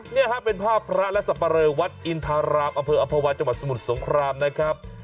เนี่ยฮะเป็นภาพพระและสับปะเลอวัดอินทารามอำเภออภาวะจังหวัดสมุทรสงครามนะครับ